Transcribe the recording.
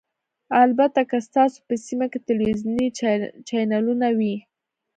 البته که ستاسو په سیمه کې تلویزیوني چینلونه وي